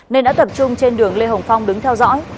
nên đã tập trung trên đường lê hồng phong đứng theo dõi